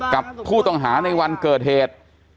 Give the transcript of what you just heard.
กับผู้ต้องหาในวันเกิดเหตุ